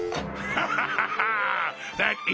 ハハハハ！